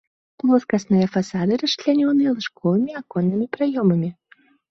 Плоскасныя фасады расчлянёны лучковымі аконнымі праёмамі.